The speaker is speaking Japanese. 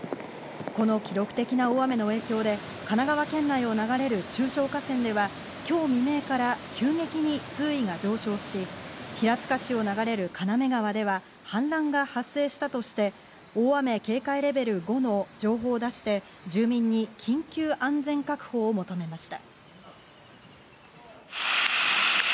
この記録的な大雨の影響で神奈川県内を流れる中小河川では今日未明から急激に水位が上昇し、平塚市を流れる金目川では氾濫が発生したとして、大雨警戒レベル５の情報を出して、住民に緊急安全確保を求めました。